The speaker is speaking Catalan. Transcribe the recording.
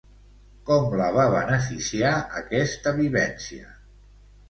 Com la va beneficiar aquesta vivència?